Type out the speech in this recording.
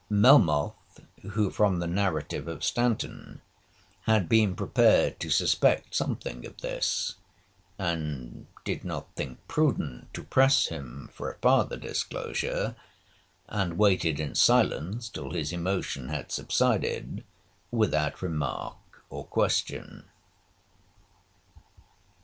Melmoth, who, from the narrative of Stanton, had been prepared to suspect something of this, did not think prudent to press him for a farther disclosure, and waited in silence till his emotion had subsided, without remark or question.